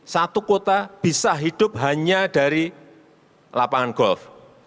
satu kota bisa hidup hanya dari lapangan golf